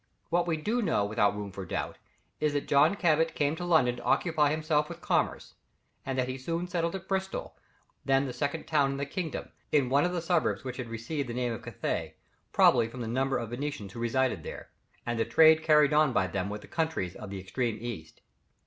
What we do know without room for doubt, is that John Cabot came to London to occupy himself with commerce, and that he soon settled at Bristol, then the second town in the kingdom, in one of the suburbs which had received the name of Cathay, probably from the number of Venetians who resided there, and the trade carried on by them with the countries of the extreme East.